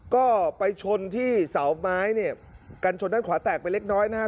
ก็ไปชนที่เสาไม้เนี่ยกันชนด้านขวาแตกไปเล็กน้อยนะฮะ